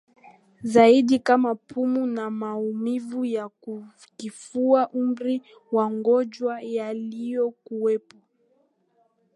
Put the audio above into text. zaidi kama pumu na maumivu ya kifua Umri magonjwa yaliyokuwepo